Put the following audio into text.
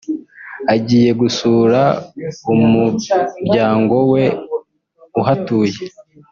agiye gusura umuryango we uhatuye